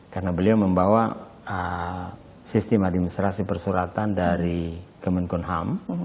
karena beliau membawa sistem administrasi persuratan dari kemenkunham